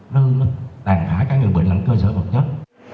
nó tàn phá các người bệnh lạnh cơ sở bậc chất